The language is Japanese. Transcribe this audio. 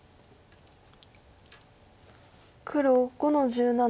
黒５の十七。